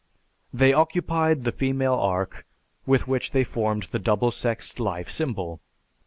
They occupied the female ark with which they formed the double sexed life symbol.